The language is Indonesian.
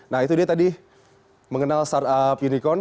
nah itu dia tadi mengenal startup unicorn